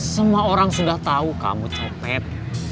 semua orang sudah tahu kamu copet